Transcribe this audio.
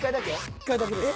１回だけです。